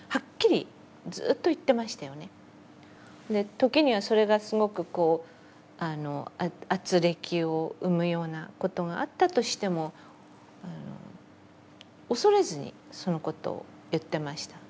時にはそれがすごくこう軋轢を生むようなことがあったとしても恐れずにそのことを言ってました。